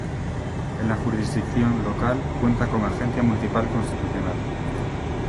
En la jurisdicción local cuenta con Agencia Municipal Constitucional.